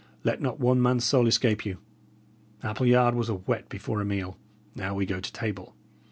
Let not one man's soul escape you. Appleyard was a whet before a meal; but now we go to table.